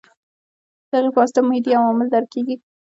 د هغې په واسطه محیطي عوامل درک کېږي.